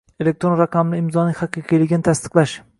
elektron raqamli imzoning haqiqiyligini tasdiqlash